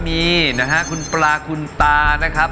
มีนะฮะคุณปลาคุณตานะครับ